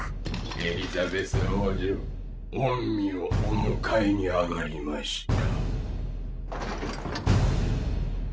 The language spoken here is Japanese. エリザベス王女御身をお迎えに上がりました。